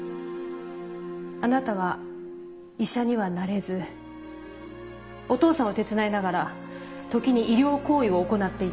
あなたは医者にはなれずお父さんを手伝いながら時に医療行為を行っていた。